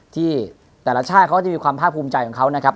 ที่แต่ละชาติเขาก็จะมีความภาคภูมิใจของเขานะครับ